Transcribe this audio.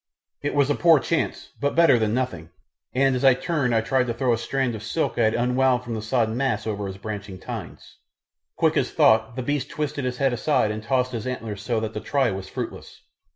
It was a poor chance, but better than nothing, and as he turned I tried to throw a strand of silk I had unwound from the sodden mass over his branching tines. Quick as thought the beast twisted his head aside and tossed his antlers so that the try was fruitless.